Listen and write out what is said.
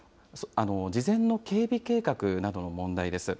事前の警備計画などの問題です。